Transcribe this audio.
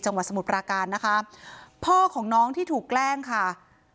สมุทรปราการนะคะพ่อของน้องที่ถูกแกล้งค่ะ